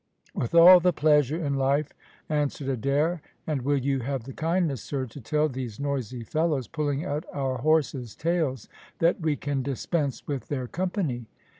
"With all the pleasure in life," answered Adair; "and will you have the kindness, sir, to tell these noisy fellows, pulling at our horses' tails, that we can dispense with their company?"